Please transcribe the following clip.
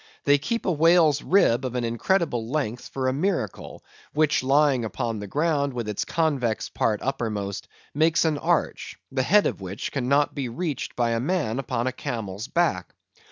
They keep a Whale's Rib of an incredible length for a Miracle, which lying upon the Ground with its convex part uppermost, makes an Arch, the Head of which cannot be reached by a Man upon a Camel's Back.